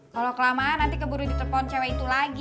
kalau kelamaan nanti keburu ditelepon cewek itu lagi